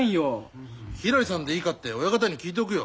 ひらりさんでいいかって親方に聞いておくよ。